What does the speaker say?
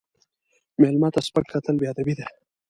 مېلمه ته سپک کتل بې ادبي ده.